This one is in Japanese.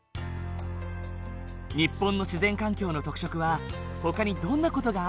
日本の自然環境の特色はほかにどんな事があるだろう？